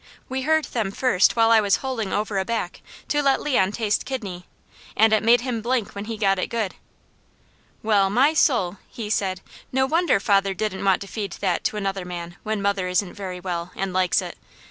We heard them first while I was holding over a back to let Leon taste kidney, and it made him blink when he got it good. "Well my soul!" he said. "No wonder father didn't want to feed that to another man when mother isn't very well, and likes it!